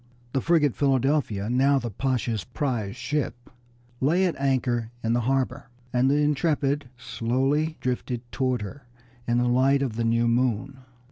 The frigate Philadelphia, now the Pasha's prize ship, lay at anchor in the harbor, and the Intrepid slowly drifted toward her in the light of the new moon.